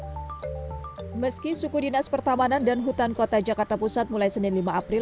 hai meski suku dinas pertamanan dan hutan kota jakarta pusat mulai senin lima april